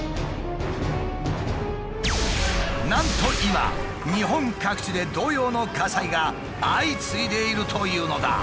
なんと今日本各地で同様の火災が相次いでいるというのだ。